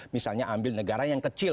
misalnya ambil negara yang kecil